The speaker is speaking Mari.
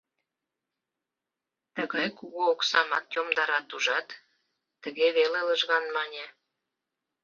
— Тыгай кугу оксамат йомдарат, ужат? — тыге веле лыжган мане.